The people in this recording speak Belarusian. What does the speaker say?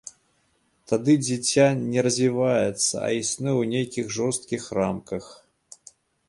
Тады дзіця не развіваецца, а існуе ў нейкіх жорсткіх рамках.